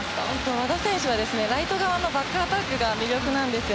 和田選手はライト側のバックアタックが魅力なんです。